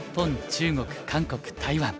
中国韓国台湾